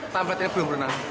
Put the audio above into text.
templatenya belum pernah